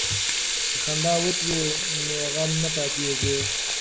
که خندا وکړو نو غم نه پاتې کیږي.